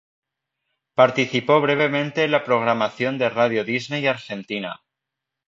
Participó brevemente en la programación de Radio Disney Argentina.